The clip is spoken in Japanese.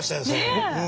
ねえ！